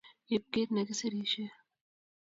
Iib kiit negisirishei